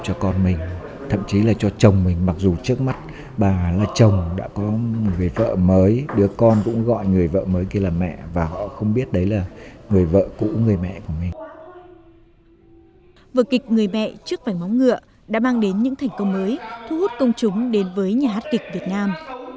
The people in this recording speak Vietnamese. vợ kịch người mẹ trước vành móng ngựa đã mang đến những thành công mới thu hút công chúng đến với nhà hát kịch việt nam